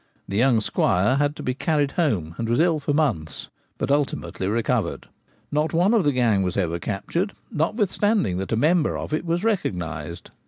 The ' young squire ' had to be carried home, and was ill for months, but ultimately recovered. Not one of the gang was ever captured, notwith standing that a member of it was recognised.